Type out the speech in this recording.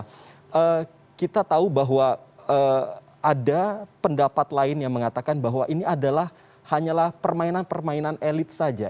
jadi kita tahu bahwa ada pendapat lain yang mengatakan bahwa ini adalah hanyalah permainan permainan elit saja